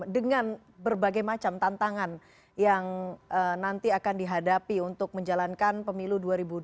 dengan berbagai macam tantangan yang nanti akan dihadapi untuk menjalankan pemilu dua ribu dua puluh